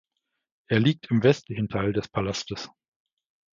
Er liegt im westlichen Teil des Palastes.